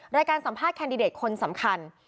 สัมภาษณ์แคนดิเดตคนสำคัญ